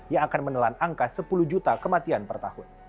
yang akan menelan angka sepuluh juta kematian per tahun